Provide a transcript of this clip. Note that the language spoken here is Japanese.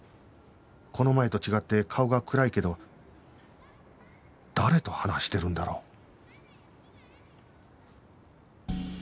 この前と違って顔が暗いけど誰と話してるんだろう？